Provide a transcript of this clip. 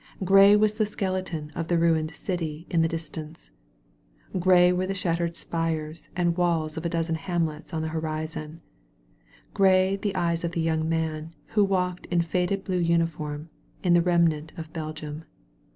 Gray was the skeleton of the ruined city in the dis tance; gray were the shattered spires and walls of a dozen hamlets on the horizon; gray, the eyes of the young man who walked in faded blue uniform, in the remnant of Belgium.